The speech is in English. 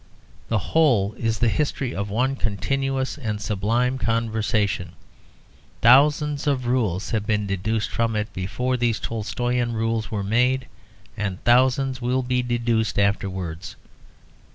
The whole is the history of one continuous and sublime conversation. Thousands of rules have been deduced from it before these Tolstoian rules were made, and thousands will be deduced afterwards.